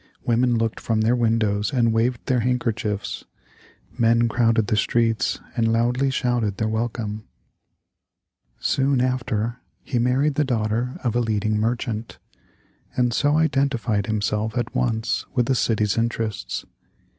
Women looked from their windows and waved their handkerchiefs. Men crowded the streets and loudly shouted their welcome. Soon after, he married the daughter of a leading merchant, and so identified himself at once with the city's interests.